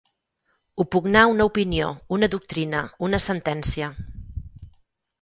Opugnar una opinió, una doctrina, una sentència.